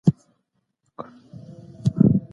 او زعفران د افغانستان روح دی.